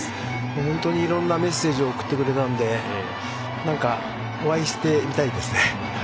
本当にいろんなメッセージを送ってくれたのでお会いしてみたいですね。